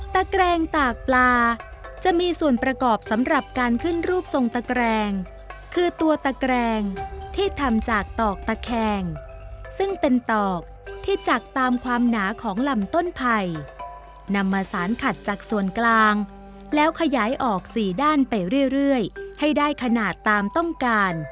แกรงตากปลาจะมีส่วนประกอบสำหรับการขึ้นรูปทรงตะแกรงคือตัวตะแกรงที่ทำจากตอกตะแคงซึ่งเป็นตอกที่จักตามความหนาของลำต้นไผ่นำมาสารขัดจากส่วนกลางแล้วขยายออกสี่ด้านไปเรื่อยให้ได้ขนาดตามต้องการ